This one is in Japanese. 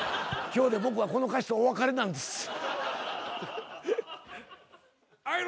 今日で僕はこの歌詞とお別れなんです。